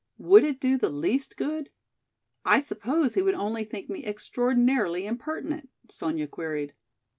Would it do the least good? I suppose he would only think me extraordinarily impertinent?" Sonya queried.